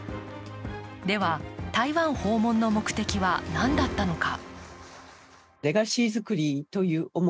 では、台湾訪問の目的は何だったのか。